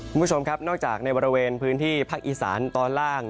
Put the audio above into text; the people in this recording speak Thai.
คุณผู้ชมครับนอกจากในบริเวณพื้นที่ภาคอีสานตอนล่าง